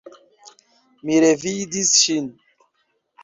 Mi revidis ŝin!